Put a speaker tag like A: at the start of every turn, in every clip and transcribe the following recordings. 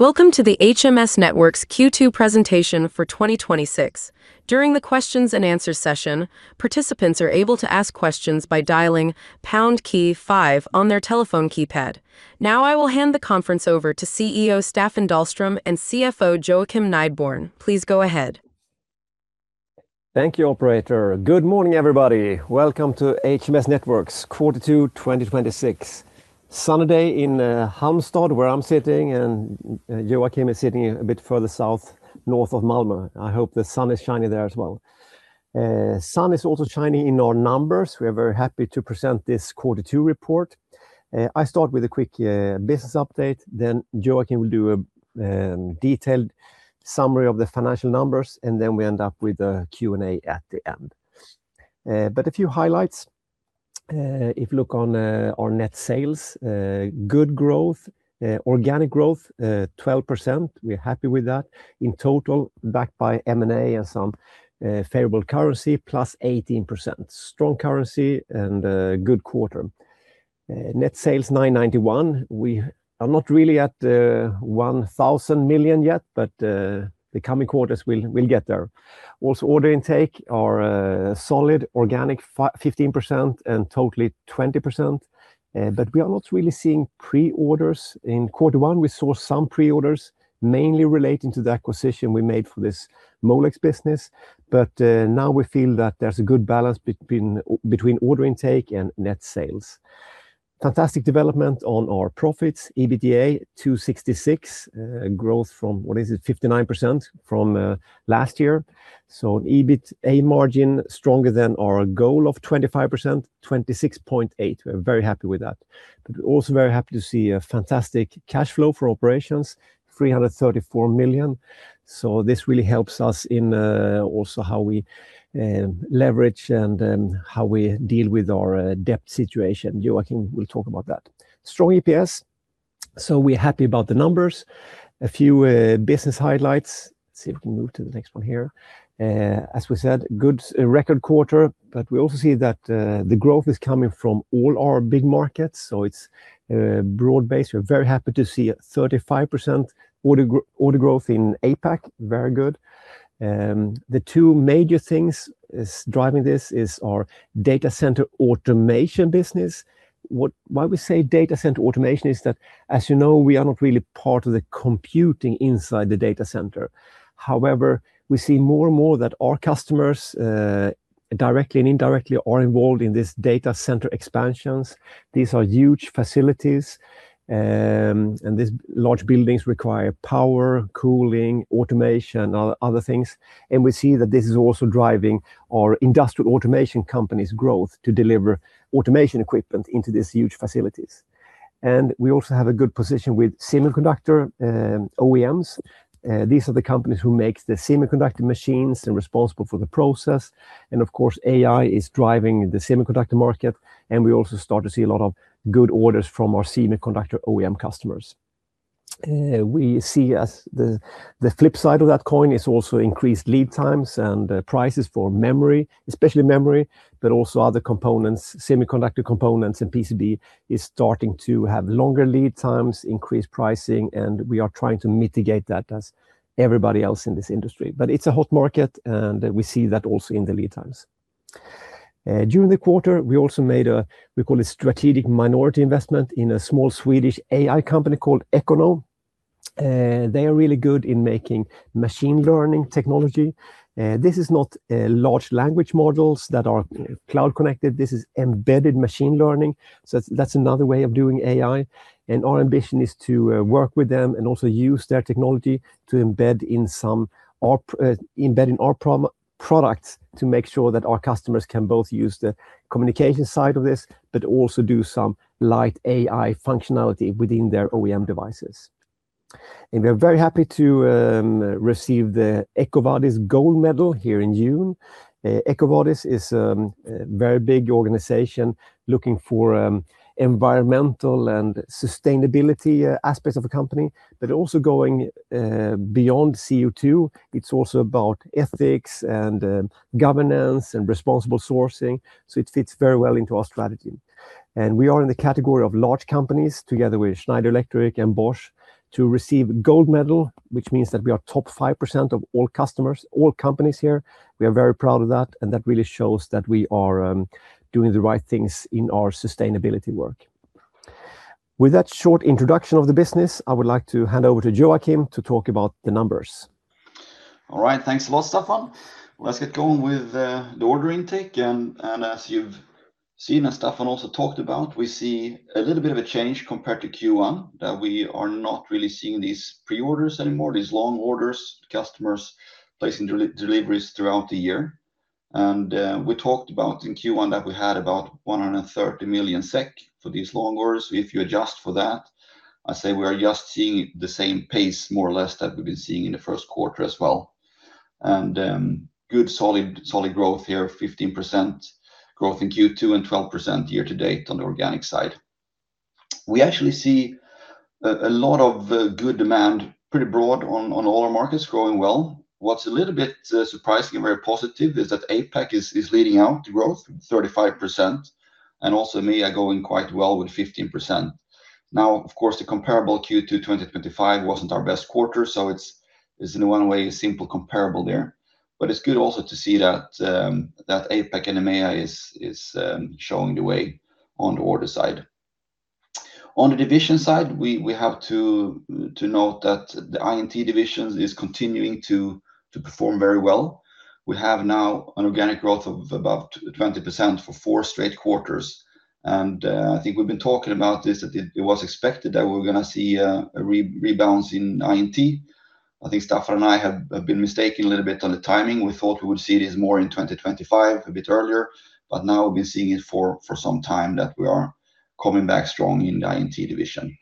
A: Welcome to the HMS Networks Q2 presentation for 2026. During the questions and answers session, participants are able to ask questions by dialing pound key five on their telephone keypad. Now I will hand the conference over to CEO Staffan Dahlström and CFO Joakim Nideborn. Please go ahead.
B: Thank you, operator. Good morning, everybody. Welcome to HMS Networks, quarter two 2026. Sunny day in Halmstad, where I'm sitting, and Joakim is sitting a bit further north of Malmo. I hope the sun is shining there as well. Sun is also shining in our numbers. We are very happy to present this quarter two report. I start with a quick business update, then Joakim will do a detailed summary of the financial numbers, we end up with a Q&A at the end. A few highlights. If you look on our net sales, good growth, organic growth 12%. We're happy with that. In total, backed by M&A and some favorable currency, +18%. Strong currency and a good quarter. Net sales 991 million. We are not really at 1,000 million yet, the coming quarters we'll get there. Order intake are a solid organic 15% and totally 20%, but we are not really seeing pre-orders. In quarter one, we saw some pre-orders, mainly relating to the acquisition we made for this Molex business. Now we feel that there's a good balance between order intake and net sales. Fantastic development on our profits. EBITDA 266 million, growth from, what is it? 59% from last year. An EBITDA margin stronger than our goal of 25%, 26.8%. We're very happy with that. Also very happy to see a fantastic cash flow for operations, 334 million. This really helps us in also how we leverage and how we deal with our debt situation. Joakim will talk about that. Strong EPS, we're happy about the numbers. A few business highlights. Let's see if we can move to the next one here. As we said, good record quarter, we also see that the growth is coming from all our big markets, it's broad based. We're very happy to see a 35% order growth in APAC. Very good. The two major things driving this is our data center automation business. Why we say data center automation is that, as you know, we are not really part of the computing inside the data center. However, we see more and more that our customers, directly and indirectly, are involved in this data center expansions. These are huge facilities, these large buildings require power, cooling, automation, other things. We see that this is also driving our industrial automation companies growth to deliver automation equipment into these huge facilities. We also have a good position with semiconductor OEMs. These are the companies who make the semiconductor machines and responsible for the process. Of course, AI is driving the semiconductor market, and we also start to see a lot of good orders from our semiconductor OEM customers. We see as the flip side of that coin is also increased lead times and prices for memory, especially memory, but also other components, semiconductor components. PCB is starting to have longer lead times, increased pricing. We are trying to mitigate that as everybody else in this industry. It's a hot market. We see that also in the lead times. During the quarter, we also made a, we call it strategic minority investment in a small Swedish AI company called Ekkono. They are really good in making machine learning technology. This is not large language models that are cloud connected. This is embedded machine learning. That's another way of doing AI. Our ambition is to work with them and also use their technology to embed in our products to make sure that our customers can both use the communication side of this, but also do some light AI functionality within their OEM devices. We are very happy to receive the EcoVadis gold medal here in June. EcoVadis is a very big organization looking for environmental and sustainability aspects of a company, but also going beyond CO2. It's also about ethics and governance and responsible sourcing. It fits very well into our strategy. We are in the category of large companies, together with Schneider Electric and Bosch, to receive gold medal, which means that we are top 5% of all customers, all companies here. We are very proud of that. That really shows that we are doing the right things in our sustainability work. With that short introduction of the business, I would like to hand over to Joakim to talk about the numbers.
C: All right. Thanks a lot, Staffan. Let's get going with the order intake. As you've seen and Staffan also talked about, we see a little bit of a change compared to Q1 that we are not really seeing these pre-orders anymore, these long orders, customers placing deliveries throughout the year. We talked about in Q1 that we had about 130 million SEK for these long orders. If you adjust for that, I say we are just seeing the same pace more or less that we've been seeing in the first quarter as well. Good solid growth here, 15% growth in Q2 and 12% year-to-date on the organic side. We actually see a lot of good demand, pretty broad on all our markets growing well. What's a little bit surprising and very positive is that APAC is leading out the growth, 35%, and also EMEA going quite well with 15%. Of course, the comparable Q2 2025 wasn't our best quarter, so it's in one way a simple comparable there. It's good also to see that APAC and EMEA is showing the way on the order side. On the division side, we have to note that the I&T division is continuing to perform very well. We have now an organic growth of about 20% for four straight quarters. I think we've been talking about this, that it was expected that we were going to see a rebalance in I&T. I think Staffan and I have been mistaken a little bit on the timing. We thought we would see this more in 2025, a bit earlier, but now we've been seeing it for some time that we are coming back strong in the I&T division.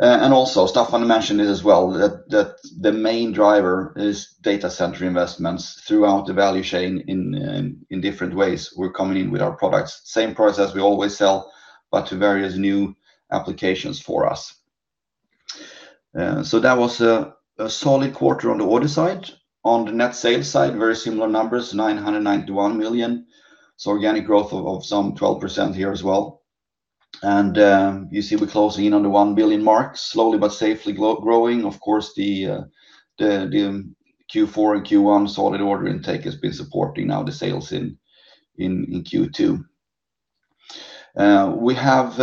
C: Also Staffan mentioned it as well, that the main driver is data center investments throughout the value chain in different ways. We're coming in with our products, same price as we always sell, but to various new applications for us. That was a solid quarter on the order side. On the net sales side, very similar numbers, 991 million. Organic growth of some 12% here as well. You see we're closing in on the 1 billion mark, slowly but safely growing. Of course, the Q4 and Q1 solid order intake has been supporting now the sales in Q2. We have,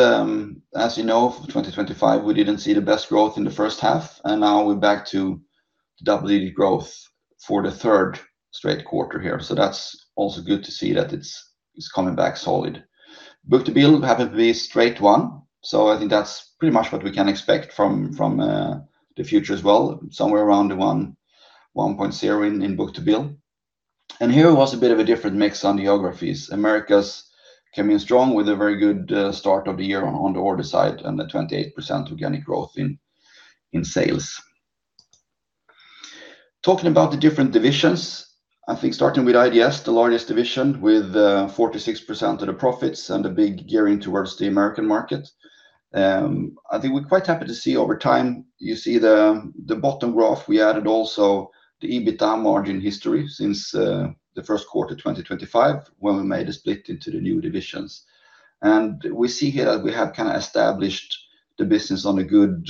C: as you know, for 2025, we didn't see the best growth in the first half, and now we're back to double-digit growth for the third straight quarter here. That's also good to see that it's coming back solid. Book to bill happened to be a straight one. I think that's pretty much what we can expect from the future as well. Somewhere around the 1.0 in book to bill. Here was a bit of a different mix on the geographies. Americas came in strong with a very good start of the year on the order side and a 28% organic growth in sales. Talking about the different divisions, I think starting with IDS, the largest division with 46% of the profits and a big gearing towards the American market. I think we're quite happy to see over time, you see the bottom graph, we added also the EBITDA margin history since the first quarter 2025, when we made a split into the new divisions. We see here that we have kind of established the business on a good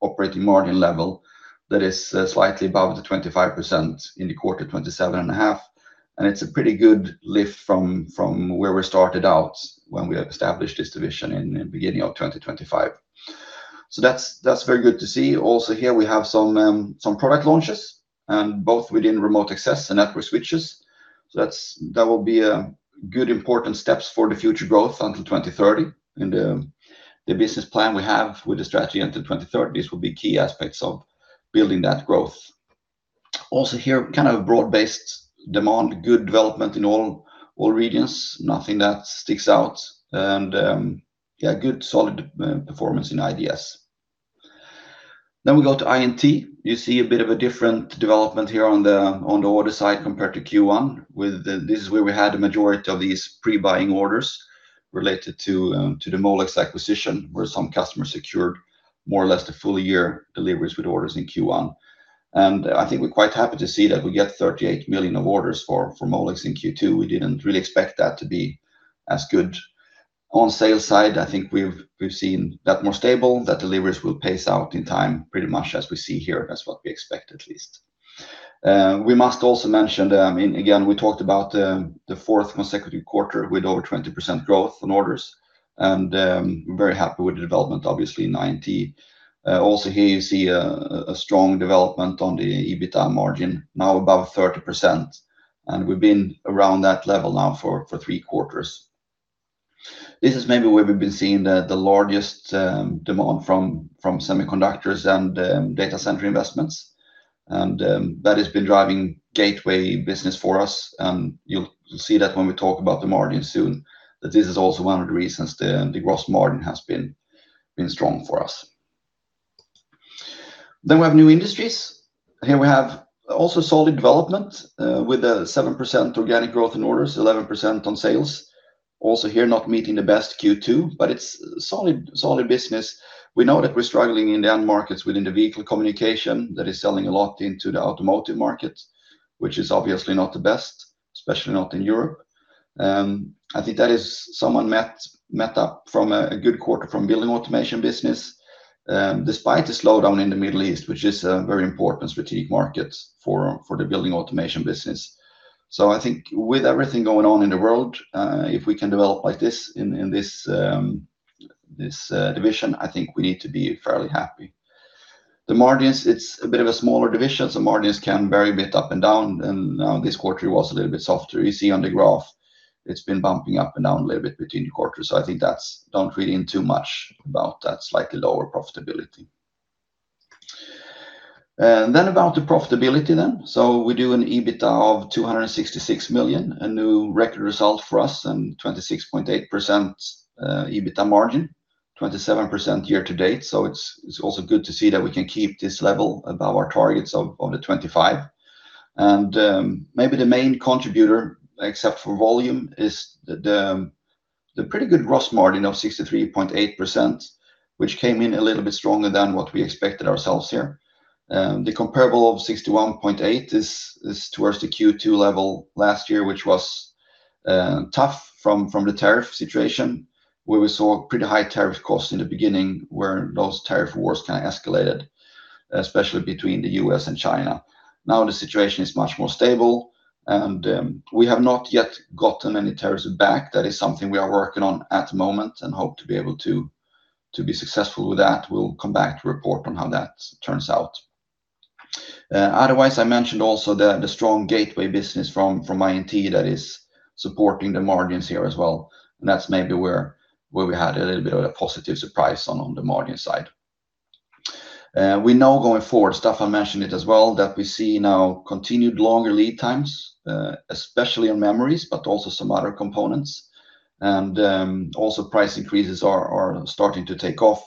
C: operating margin level that is slightly above the 25% in the quarter, 27.5%. It's a pretty good lift from where we started out when we established this division in the beginning of 2025. That's very good to see. Also here we have some product launches and both within remote access and network switches. That will be good, important steps for the future growth until 2030. The business plan we have with the strategy until 2030, these will be key aspects of building that growth. Also here, kind of a broad-based demand, good development in all regions. Nothing that sticks out. Yeah, good solid performance in IDS. We go to I&T. You see a bit of a different development here on the order side compared to Q1. This is where we had a majority of these pre-buying orders related to the Molex acquisition, where some customers secured more or less the full year deliveries with orders in Q1. I think we're quite happy to see that we get 38 million of orders for Molex in Q2. We didn't really expect that to be as good. On sales side, I think we've seen that more stable, that deliveries will pace out in time pretty much as we see here. That's what we expect, at least. We must also mention, again, we talked about the fourth consecutive quarter with over 20% growth in orders and very happy with the development obviously in I&T. Also here you see a strong development on the EBITDA margin, now above 30%, and we've been around that level now for three quarters. This is maybe where we've been seeing the largest demand from semiconductors and data center investments. That has been driving gateway business for us. You'll see that when we talk about the margin soon. That this is also one of the reasons the gross margin has been strong for us. We have new industries. Here we have also solid development with a 7% organic growth in orders, 11% on sales. Also here not meeting the best Q2, but it's solid business. We know that we're struggling in the end markets within the vehicle communication that is selling a lot into the automotive market, which is obviously not the best, especially not in Europe. I think that is somewhat met up from a good quarter from building automation business, despite the slowdown in the Middle East, which is a very important strategic market for the building automation business. I think with everything going on in the world, if we can develop like this in this division, I think we need to be fairly happy. The margins, it's a bit of a smaller division, so margins can vary a bit up and down. Now this quarter was a little bit softer. You see on the graph, it's been bumping up and down a little bit between the quarters. I think don't read in too much about that slightly lower profitability. About the profitability then. We do an EBITDA of 266 million, a new record result for us and 26.8% EBITDA margin, 27% year to date. It's also good to see that we can keep this level above our targets of the 25%. Maybe the main contributor, except for volume, is the pretty good gross margin of 63.8%, which came in a little bit stronger than what we expected ourselves here. The comparable of 61.8% is towards the Q2 level last year, which was tough from the tariff situation, where we saw pretty high tariff costs in the beginning, where those tariff wars kind of escalated, especially between the U.S. and China. Now the situation is much more stable, and we have not yet gotten any tariffs back. That is something we are working on at the moment and hope to be able to be successful with that. We'll come back to report on how that turns out. Otherwise, I mentioned also the strong gateway business from I&T that is supporting the margins here as well, and that's maybe where we had a little bit of a positive surprise on the margin side. We know going forward, Staffan mentioned it as well, that we see now continued longer lead times, especially on memories, but also some other components. Also price increases are starting to take off.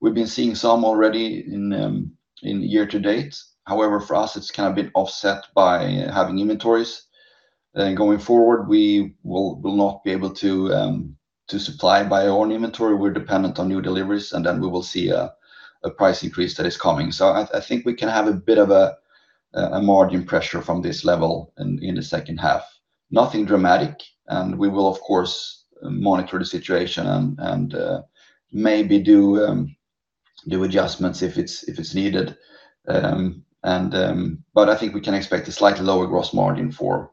C: We've been seeing some already in year to date. However, for us, it's kind of been offset by having inventories. Going forward, we will not be able to supply by our own inventory. We're dependent on new deliveries, then we will see a price increase that is coming. I think we can have a bit of a margin pressure from this level in the second half. Nothing dramatic, we will, of course, monitor the situation and maybe do adjustments if it's needed. I think we can expect a slightly lower gross margin for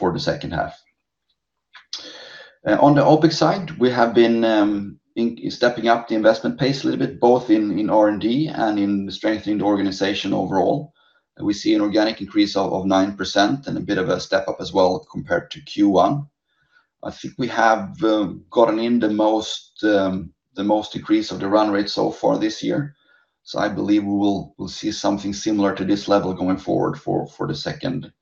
C: the second half. On the OpEx side, we have been stepping up the investment pace a little bit, both in R&D and in strengthening the organization overall. We see an organic increase of 9% and a bit of a step-up as well compared to Q1. I think we have gotten in the most decrease of the run rate so far this year. I believe we'll see something similar to this level going forward for the second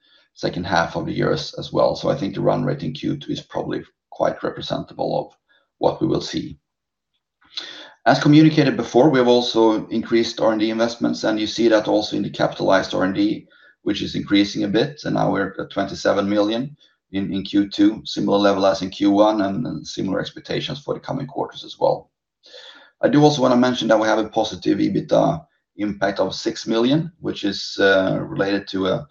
C: half of the year as well. I think the run rate in Q2 is probably quite representable of what we will see. As communicated before, we have also increased R&D investments, you see that also in the capitalized R&D, which is increasing a bit, now we're at 27 million in Q2, similar level as in Q1 and similar expectations for the coming quarters as well. I do also want to mention that we have a positive EBITDA impact of 6 million, which is related to a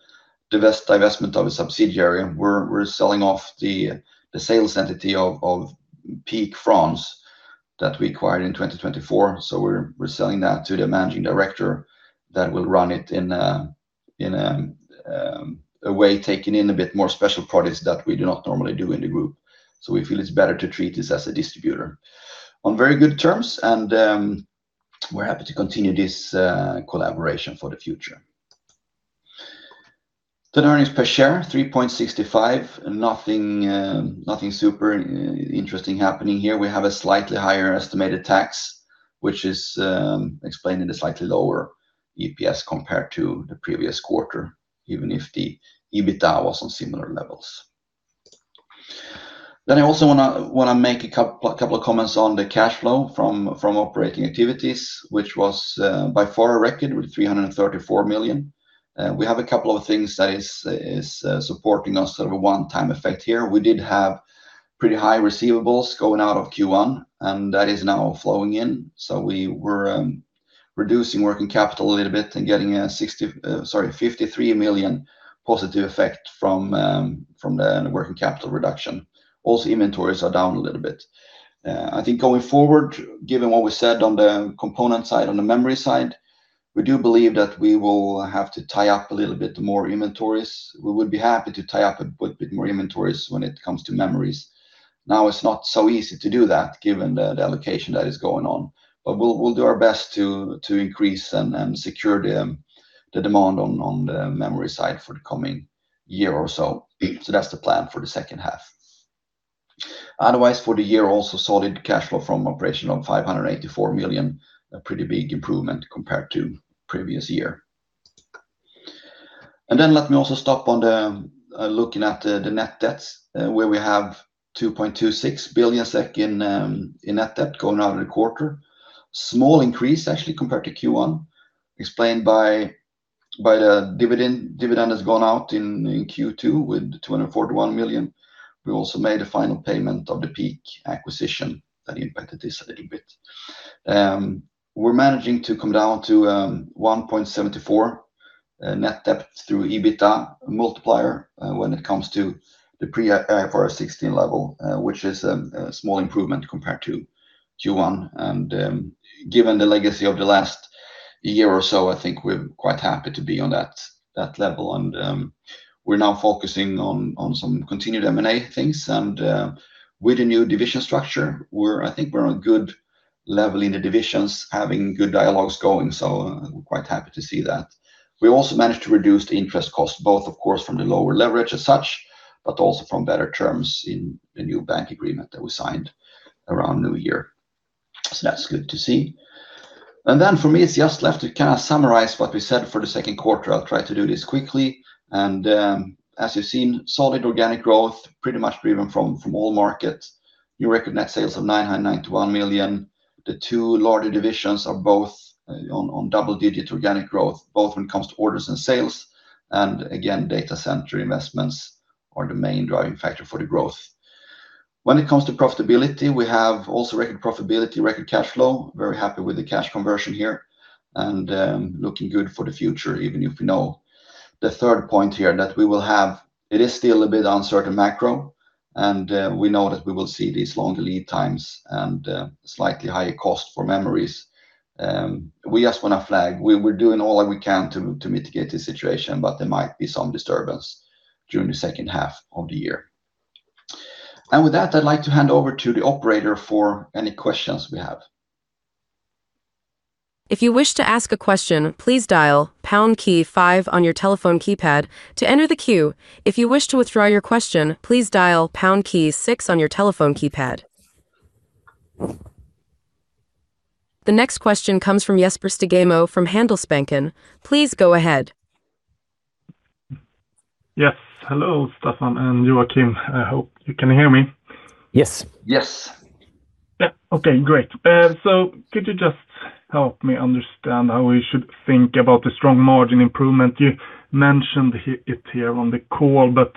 C: divestment of a subsidiary. We're selling off the sales entity of PEAK-System France that we acquired in 2024. We're selling that to the managing director that will run it in a way taking in a bit more special products that we do not normally do in the group. We feel it's better to treat this as a distributor. On very good terms, we're happy to continue this collaboration for the future. The earnings per share, 3.65. Nothing super interesting happening here. We have a slightly higher estimated tax, which is explained in the slightly lower EPS compared to the previous quarter, even if the EBITDA was on similar levels. I also want to make a couple of comments on the cash flow from operating activities, which was by far a record with 334 million. We have a couple of things that is supporting us of a one-time effect here. We did have pretty high receivables going out of Q1, that is now flowing in. We were reducing working capital a little bit and getting a 53 million positive effect from the working capital reduction. Also, inventories are down a little bit. I think going forward, given what we said on the component side, on the memory side, we do believe that we will have to tie up a little bit more inventories. We would be happy to tie up a bit more inventories when it comes to memories. It's not so easy to do that given the allocation that is going on. We'll do our best to increase and secure the demand on the memory side for the coming year or so. That's the plan for the second half. Otherwise, for the year, also solid cash flow from operation of 584 million, a pretty big improvement compared to previous year. Let me also stop on looking at the net debts, where we have 2.26 billion SEK in net debt going out in a quarter. Small increase, actually, compared to Q1, explained by the dividend that's gone out in Q2 with 241 million. We also made a final payment of the PEAK acquisition that impacted this a little bit. We're managing to come down to 1.74 net debt through EBITDA multiplier when it comes to the pre-IFRS 16 level, which is a small improvement compared to Q1. Given the legacy of the last year or so, I think we're quite happy to be on that level. We're now focusing on some continued M&A things. With the new division structure, I think we're on good level in the divisions, having good dialogues going. I'm quite happy to see that. We also managed to reduce the interest cost, both, of course, from the lower leverage as such, but also from better terms in the new bank agreement that we signed around New Year. That's good to see. For me, it's just left to kind of summarize what we said for the second quarter. I'll try to do this quickly. As you've seen, solid organic growth, pretty much driven from all markets. New record net sales of 991 million. The two larger divisions are both on double-digit organic growth, both when it comes to orders and sales. Again, data center investments are the main driving factor for the growth. When it comes to profitability, we have also record profitability, record cash flow, very happy with the cash conversion here, and looking good for the future, even if we know the third point here, that we will have, it is still a bit uncertain macro, and we know that we will see these long lead times and slightly higher cost for memories. We just want to flag we're doing all that we can to mitigate the situation, but there might be some disturbance during the second half of the year. With that, I'd like to hand over to the operator for any questions we have.
A: If you wish to ask a question, please dial pound key five on your telephone keypad to enter the queue. If you wish to withdraw your question, please dial pound key 6 on your telephone keypad. The next question comes from Jesper Stugemo from Handelsbanken. Please go ahead.
D: Yes. Hello, Staffan and Joakim. I hope you can hear me.
B: Yes.
C: Yes.
D: Yeah, okay, great. Could you just help me understand how we should think about the strong margin improvement? You mentioned it here on the call, but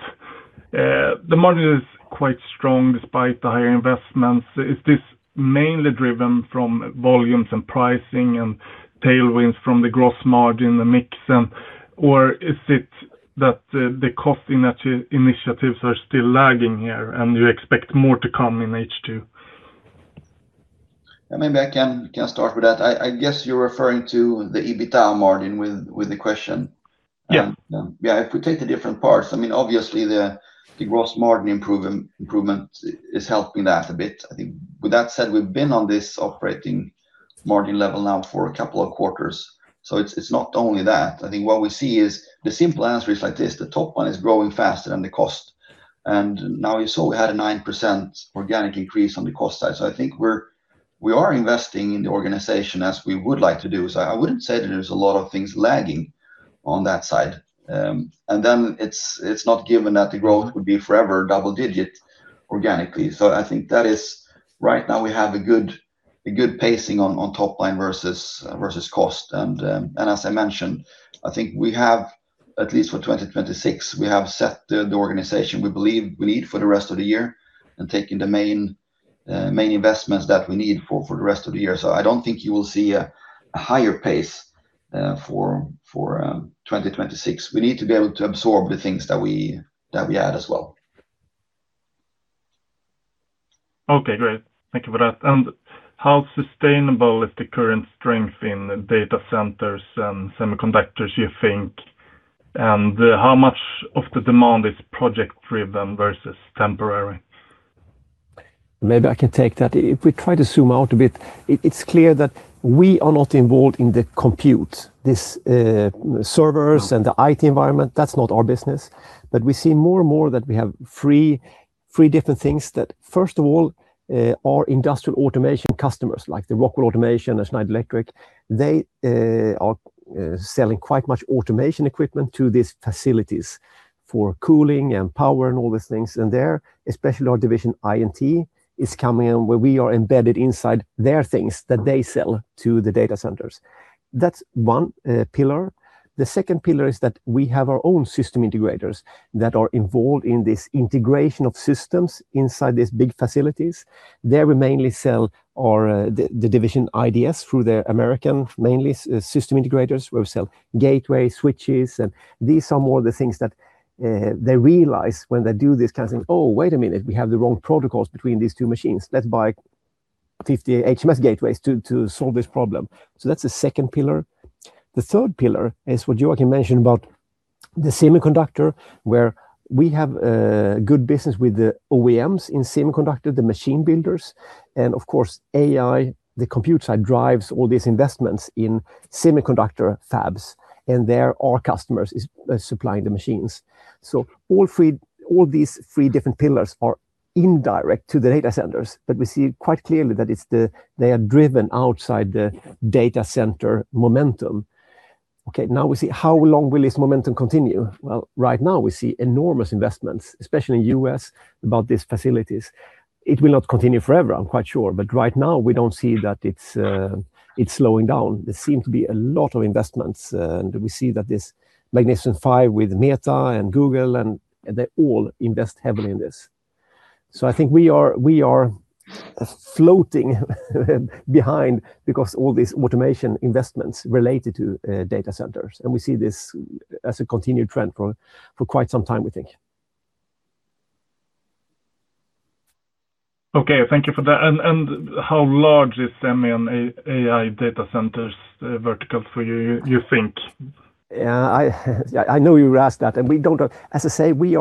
D: the margin is quite strong despite the higher investments. Is this mainly driven from volumes and pricing and tailwinds from the gross margin, the mix, or is it that the cost initiatives are still lagging here and you expect more to come in H2?
C: Maybe I can start with that. I guess you're referring to the EBITDA margin with the question.
D: Yeah.
C: Yeah, if we take the different parts, obviously the gross margin improvement is helping that a bit. I think with that said, we've been on this operating margin level now for a couple of quarters, so it's not only that. I think what we see is the simple answer is like this, the top line is growing faster than the cost. Now you saw we had a 9% organic increase on the cost side. I think we are investing in the organization as we would like to do. I wouldn't say that there's a lot of things lagging on that side. Then it's not given that the growth would be forever double-digit organically. I think that is right now we have a good pacing on top line versus cost. As I mentioned, I think we have at least for 2026, we have set the organization we believe we need for the rest of the year and taking the main investments that we need for the rest of the year. I don't think you will see a higher pace for 2026. We need to be able to absorb the things that we add as well.
D: Okay, great. Thank you for that. How sustainable is the current strength in data centers and semiconductors, you think? How much of the demand is project driven versus temporary?
B: Maybe I can take that. If we try to zoom out a bit, it's clear that we are not involved in the compute, these servers and the IT environment. That's not our business. We see more and more that we have three different things that first of all, our industrial automation customers, like the Rockwell Automation and Schneider Electric, they are selling quite much automation equipment to these facilities for cooling and power and all these things in there, especially our division I&T is coming in where we are embedded inside their things that they sell to the data centers. That's one pillar. The second pillar is that we have our own system integrators that are involved in this integration of systems inside these big facilities. There we mainly sell the division IDS through the American, mainly system integrators, where we sell gateway switches, and these are more the things that they realize when they do these kinds of things. "Oh, wait a minute, we have the wrong protocols between these two machines. Let's buy 50 HMS gateways to solve this problem." That's the second pillar. The third pillar is what Joakim mentioned about the semiconductor, where we have a good business with the OEMs in semiconductor, the machine builders, and of course, AI, the compute side drives all these investments in semiconductor fabs, and there our customers is supplying the machines. All these three different pillars are indirect to the data centers, but we see quite clearly that they are driven outside the data center momentum. Now we see how long will this momentum continue? Right now we see enormous investments, especially in the U.S., about these facilities. It will not continue forever, I'm quite sure, but right now we don't see that it's slowing down. There seem to be a lot of investments, and we see that this Magnificent Seven with Meta and Google, and they all invest heavily in this. I think we are floating behind because all these automation investments related to data centers, and we see this as a continued trend for quite some time, we think.
D: Thank you for that. How large is semi and AI data centers verticals for you think?
B: I know you asked that, and we don't know. As I say, we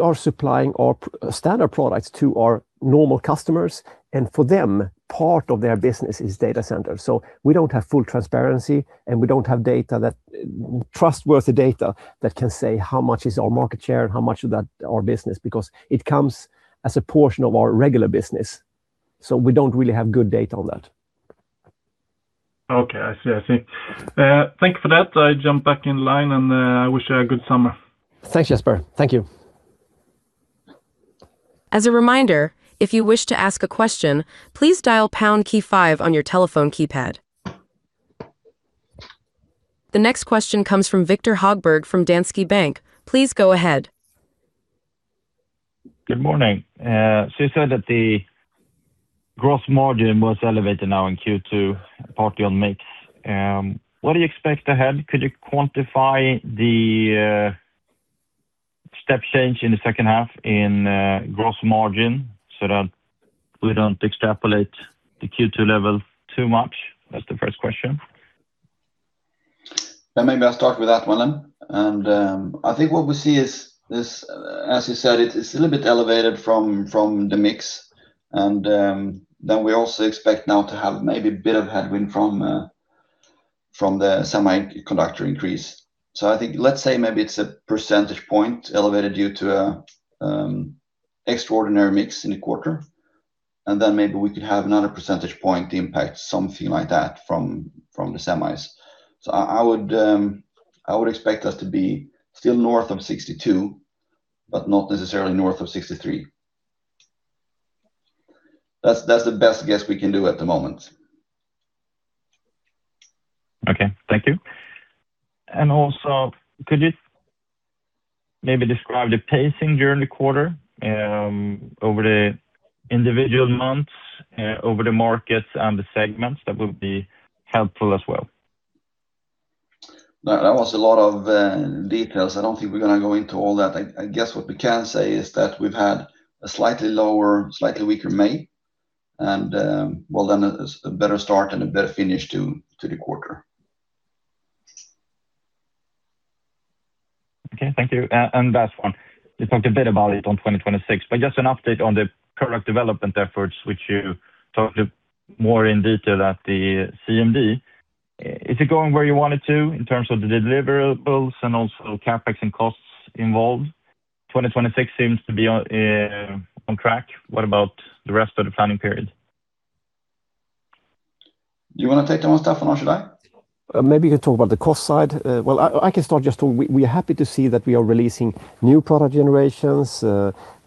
B: are supplying our standard products to our normal customers, and for them, part of their business is data centers. We don't have full transparency, and we don't have trustworthy data that can say how much is our market share and how much of that our business, because it comes as a portion of our regular business. We don't really have good data on that.
D: Okay, I see. Thank you for that. I jump back in line, and I wish you a good summer.
B: Thanks, Jesper. Thank you.
A: As a reminder, if you wish to ask a question, please dial pound key five on your telephone keypad. The next question comes from Viktor Högberg from Danske Bank. Please go ahead.
E: Good morning. You said that the gross margin was elevated now in Q2, partly on mix. What do you expect ahead? Could you quantify the step change in the second half in gross margin so that we don't extrapolate the Q2 level too much? That's the first question.
C: Maybe I'll start with that one. I think what we see is, as you said, it's a little bit elevated from the mix. We also expect now to have maybe a bit of headwind from the semiconductor increase. I think, let's say maybe it's a percentage point elevated due to extraordinary mix in the quarter, and then maybe we could have another percentage point impact, something like that from the semis. I would expect us to be still north of 62, but not necessarily north of 63. That's the best guess we can do at the moment.
E: Okay. Thank you. Could you maybe describe the pacing during the quarter, over the individual months, over the markets and the segments? That would be helpful as well.
C: That was a lot of details. I don't think we're going to go into all that. What we can say is that we've had a slightly lower, slightly weaker May, and well then, a better start and a better finish to the quarter.
E: Okay, thank you. Last one, you talked a bit about it on 2026, but just an update on the product development efforts, which you talked more in detail at the CMD. Is it going where you want it to in terms of the deliverables and also CapEx and costs involved? 2026 seems to be on track. What about the rest of the planning period?
C: Do you want to take that one, Staffan, or should I?
B: Maybe I can talk about the cost side. Well, I can start just talking. We are happy to see that we are releasing new product generations.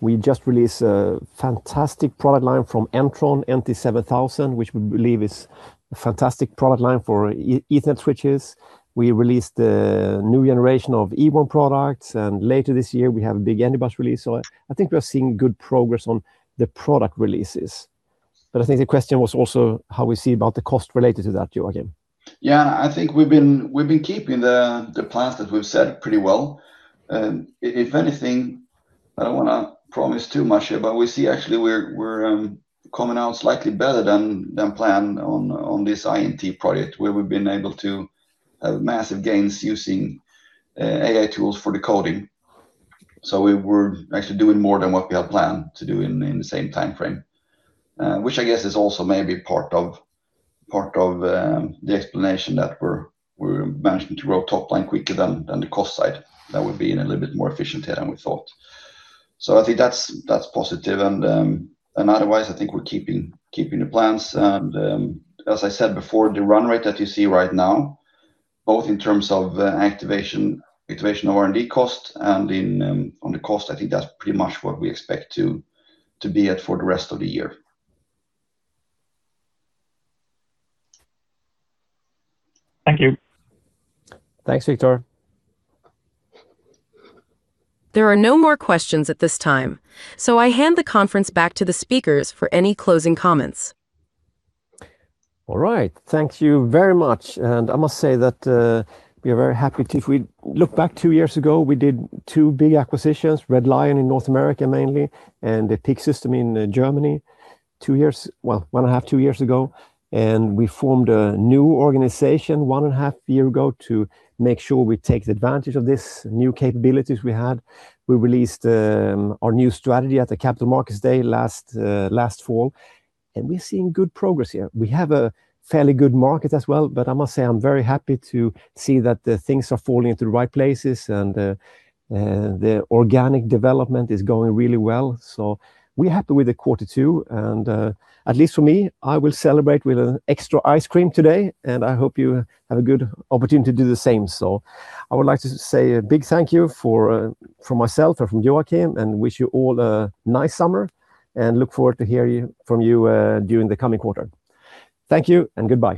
B: We just released a fantastic product line from Intesis, NT7000, which we believe is a fantastic product line for Ethernet switches. We released the new generation of Ewon products, and later this year we have a big Anybus release. I think we are seeing good progress on the product releases. I think the question was also how we see about the cost related to that, Joakim.
C: Yeah, I think we've been keeping the plans that we've set pretty well. If anything, I don't want to promise too much here, but we see actually we're coming out slightly better than planned on this I&T project, where we've been able to have massive gains using AI tools for the coding. We were actually doing more than what we had planned to do in the same time frame. Which I guess is also maybe part of the explanation that we're managing to grow top line quicker than the cost side. That we've been a little bit more efficient here than we thought. I think that's positive. Otherwise, I think we're keeping the plans. As I said before, the run rate that you see right now, both in terms of activation of R&D cost and on the cost, I think that's pretty much what we expect to be at for the rest of the year.
E: Thank you.
B: Thanks, Viktor.
A: There are no more questions at this time, so I hand the conference back to the speakers for any closing comments.
B: All right. Thank you very much. I must say that we are very happy. If we look back two years ago, we did two big acquisitions, Red Lion in North America mainly, and the PEAK-System in Germany, two years, well, one and a half, two years ago. We formed a new organization one and a half year ago to make sure we take advantage of these new capabilities we had. We released our new strategy at the Capital Markets Day last fall, and we're seeing good progress here. We have a fairly good market as well, but I must say I'm very happy to see that things are falling into the right places and the organic development is going really well. We're happy with the quarter two, and at least for me, I will celebrate with an extra ice cream today, and I hope you have a good opportunity to do the same. I would like to say a big thank you from myself and from Joakim, and wish you all a nice summer, and look forward to hearing from you during the coming quarter. Thank you and goodbye.